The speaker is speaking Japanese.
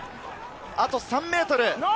あと３ｍ。